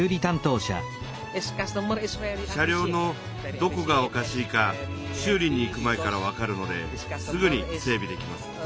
車両のどこがおかしいか修理に行く前からわかるのですぐに整びできます。